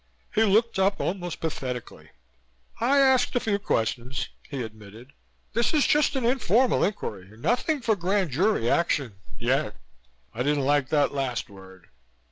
He looked up, almost pathetically. "I asked a few questions," he admitted. "This is just an informal inquiry. Nothing for Grand Jury action yet." I didn't like that last word.